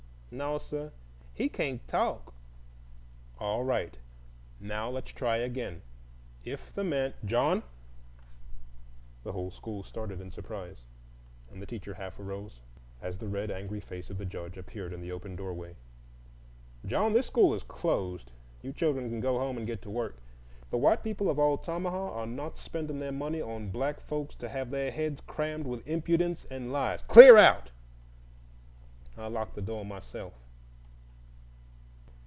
"Naw, suh, he cain't talk." "All right; now let's try again: 'If the man—' "John!" The whole school started in surprise, and the teacher half arose, as the red, angry face of the Judge appeared in the open doorway. "John, this school is closed. You children can go home and get to work. The white people of Altamaha are not spending their money on black folks to have their heads crammed with impudence and lies. Clear out! I'll lock the door myself."